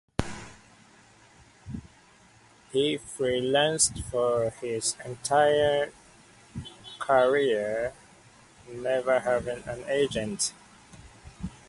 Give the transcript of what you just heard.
He freelanced for his entire career, never having an agent.